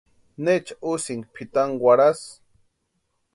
¿Necha úsïnki pʼitani warhasï?